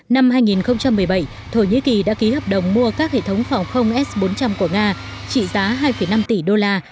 năm hai nghìn một mươi bảy thổ nhĩ kỳ đã ký hợp đồng mua các hệ thống phòng không s bốn trăm linh của nga trị giá hai năm tỷ đô la